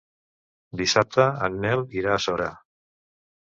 Dissabte en Nel irà a Sora.